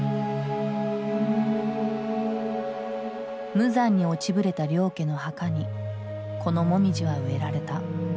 無残に落ちぶれた領家の墓にこのモミジは植えられた。